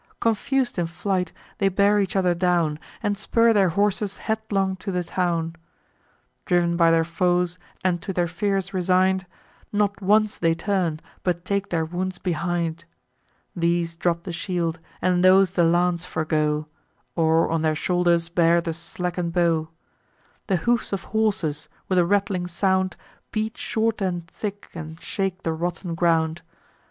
Confus'd in flight, they bear each other down, And spur their horses headlong to the town. Driv'n by their foes, and to their fears resign'd, Not once they turn, but take their wounds behind. These drop the shield, and those the lance forego, Or on their shoulders bear the slacken'd bow. The hoofs of horses, with a rattling sound, Beat short and thick, and shake the rotten ground.